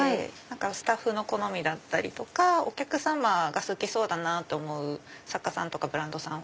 スタッフの好みだったりとかお客様が好きそうだなと思う作家さんとかブランドさん